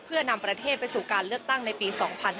เพื่อนำประเทศไปสู่การเลือกตั้งในปี๒๕๕๙